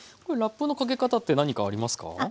これラップのかけ方って何かありますか？